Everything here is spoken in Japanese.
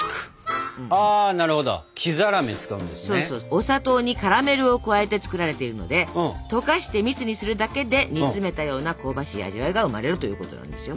お砂糖にカラメルを加えて作られているので溶かして蜜にするだけで煮詰めたような香ばしい味わいが生まれるということなんですよ。